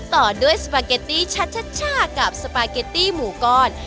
ต่อด้วยสปาเกตตี้ชัดกับสปาเกตตี้หมูก้อน